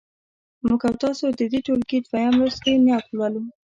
موږ او تاسو د دې ټولګي دویم لوست کې نعت لولو.